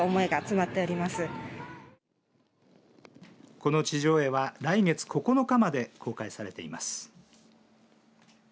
この地上絵は来月９日まで公開されています。